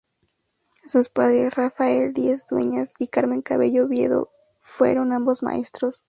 Sus padres, Rafael Díaz Dueñas y Carmen Cabello Oviedo, fueron ambos maestros.